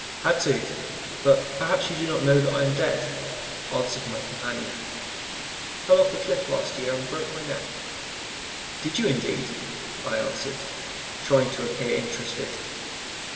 "Had to; but perhaps you do not know that I am dead," answered my companion. "Fell from a cliff last year and broke my neck." "Did you, indeed?" I answered, trying to appear interested.